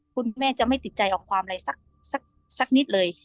คุณแม่จะไม่ติดใจออกความอะไรสักนิดเลย